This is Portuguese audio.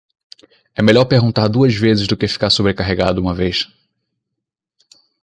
É melhor perguntar duas vezes do que ficar sobrecarregado uma vez.